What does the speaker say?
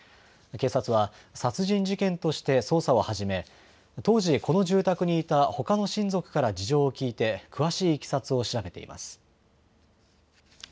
警察は殺人事件として捜査を始め、当時、この住宅にいたほかの親族から事情を聞いて詳しいいきさつを調べています。